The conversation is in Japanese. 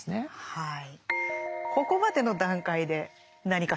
はい。